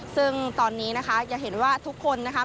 ซึ่งตอนนี้นะคะจะเห็นว่าทุกคนนะคะ